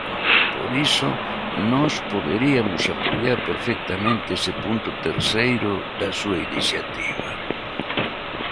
Por iso, nós poderiamos apoiar perfectamente ese punto terceiro da súa iniciativa.